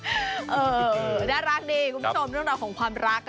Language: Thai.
เออน่ารักดีคุณผู้ชมด้วยรักของความรัก